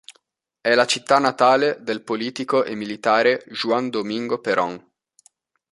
È la città natale del politico e militare Juan Domingo Perón.